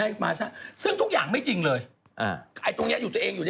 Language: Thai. อีแองจี้อีบะเออ